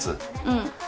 うん。